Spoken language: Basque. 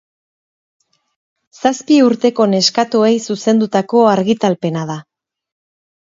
Zazpi urteko neskatoei zuzendutako argitalpena da.